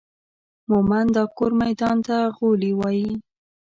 مومند دا کور ميدان ته غولي وايي